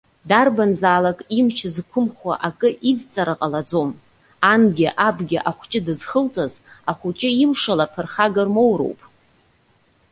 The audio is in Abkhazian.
Дарбанзаалак имч зқәымхо акы идҵара ҟалаӡом. Ангьы абгьы ахәҷы дызхылҵыз ахәыҷы имшала ԥырхага рмоуроуп.